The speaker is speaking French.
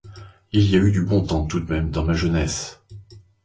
Il y a eu du bon temps tout de même, dans ma jeunesse...